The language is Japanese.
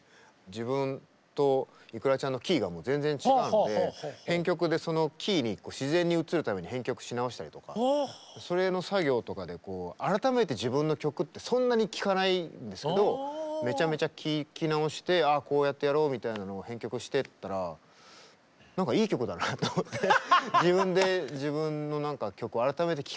自分とｉｋｕｒａちゃんのキーが全然違うので編曲でそのキーに自然に移るために編曲し直したりとかそれの作業とかで改めて自分の曲ってそんなに聴かないんですけどめちゃめちゃ聴き直して「ああこうやってやろう」みたいなのを編曲してったら何かいい曲だなと思ってへえなるほどね。